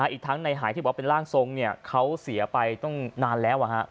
อีกทั้งในหายที่บอกว่าเป็นร่างทรงเขาเสียไปตั้งนานแล้ว